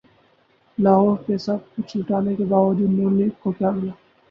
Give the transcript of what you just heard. لاہور پہ سب کچھ لٹانے کے باوجود ن لیگ کو کیا ملا؟